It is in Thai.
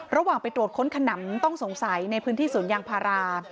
ระหว่างไปตรวจค้นขนำต้องสงสัยในพื้นที่สวนยางพารา